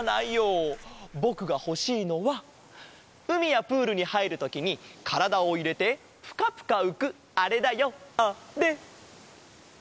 ぼくがほしいのはうみやプールにはいるときにからだをいれてプカプカうくあれだよあれ！